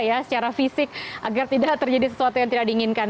ya secara fisik agar tidak terjadi sesuatu yang tidak diinginkan